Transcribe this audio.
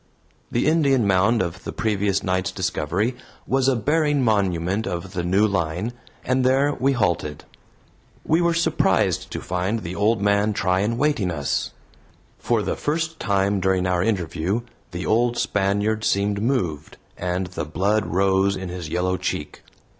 The Indian mound of the previous night's discovery was a bearing monument of the new line, and there we halted. We were surprised to find the old man Tryan waiting us. For the first time during our interview the old Spaniard seemed moved, and the blood rose in his yellow cheek.